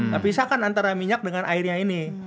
tapi pisahkan antara minyak dengan airnya ini